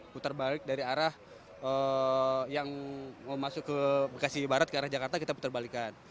putar balik dari arah yang mau masuk ke bekasi barat ke arah jakarta kita putar balikan